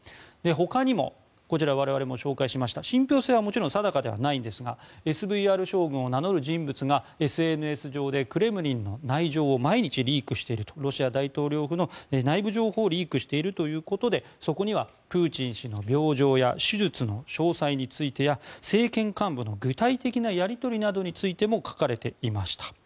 ほかにもこちらは我々も紹介しました信ぴょう性はもちろん定かではないんですがＳＶＲ将軍を名乗る人物がＳＮＳ上でクレムリンの内情を毎日リークしているというロシア大統領府の内部情報を毎日リークしているということでそこにはプーチン氏の病状や手術の詳細についてや政権幹部の具体的なやり取りなどについても書かれていました。